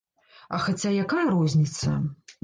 А хаця якая розніца!